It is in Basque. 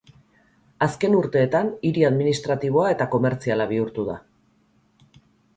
Azken urteetan hiri administratiboa eta komertziala bihurtu da.